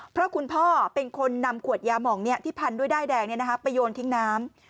เพราะคุณพ่อเป็นคนนำขวดยาหมองที่พันด้วยด้ายแดงไปโยนทิ้งน้ำ